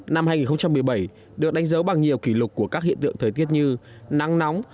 năm hai nghìn một mươi bảy được đánh dấu bằng nhiều kỷ lục của các hiện tượng thời tiết như nắng nóng